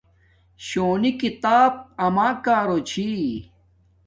شونی کتاب اما کارو چھی